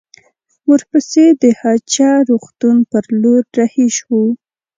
ورپسې د هه چه روغتون پر لور رهي شوو.